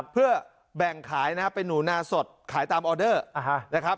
เพื่อแบ่งขายนะครับเป็นหนูนาสดขายตามออเดอร์นะครับ